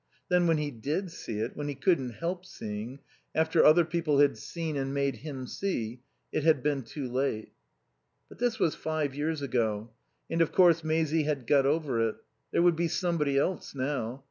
Then when he did see it, when he couldn't help seeing, after other people had seen and made him see, it had been too late. But this was five years ago, and of course Maisie had got over it. There would be somebody else now.